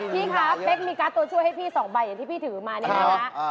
พี่คะเป๊กมีการ์ดตัวช่วยให้พี่๒ใบอย่างที่พี่ถือมาเนี่ยนะคะ